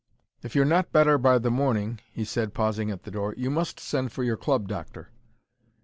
"If you're not better by the morning," he said, pausing at the door, "you must send for your club doctor."